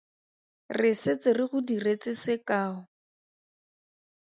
Re setse re go diretse sekao.